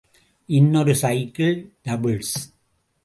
இன்னொரு cycle, doubles.